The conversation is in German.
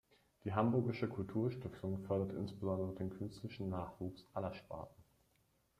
Die Hamburgische Kulturstiftung fördert insbesondere den künstlerischen Nachwuchs aller Sparten.